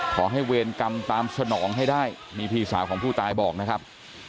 เวรกรรมตามสนองให้ได้นี่พี่สาวของผู้ตายบอกนะครับ